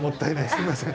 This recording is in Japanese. すみません。